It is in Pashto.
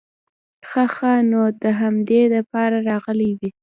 خه خه نو ته د همدې د پاره راغلې وې؟